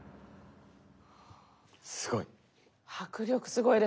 すごい。